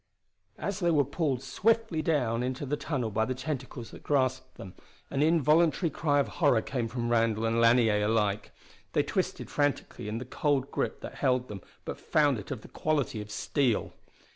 As they were pulled swiftly downward into the tunnel by the tentacles that grasped them an involuntary cry of horror came from Randall and Lanier alike. They twisted frantically in the cold grip that held them, but found it of the quality of steel.